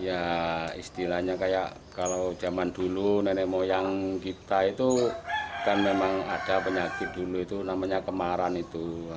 ya istilahnya kayak kalau zaman dulu nenek moyang kita itu kan memang ada penyakit dulu itu namanya kemaran itu